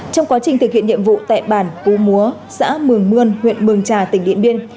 trong quá trình thực hiện nhiệm vụ tại bản púa xã mường mươn huyện mường trà tỉnh điện biên